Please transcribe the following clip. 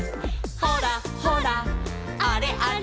「ほらほらあれあれ」